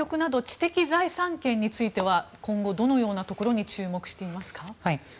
楽曲など知的財産権については今後どのようなところに注目していますか？